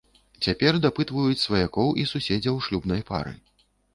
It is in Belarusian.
Цяпер дапытваюць сваякоў і суседзяў шлюбнай пары.